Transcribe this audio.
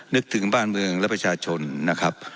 นึกถึงบ้านเมืองและประชาชนนะครับ